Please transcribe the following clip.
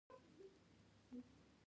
ما به هغه ماشوم ته ډېرې بېلابېلې کیسې ویلې